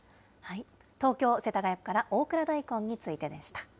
東京・世田谷区から大蔵大根についてでした。